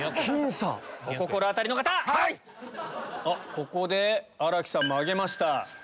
ここで新木さんも挙げました。